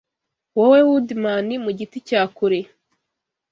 Wowe Woodman, mu giti cya kure!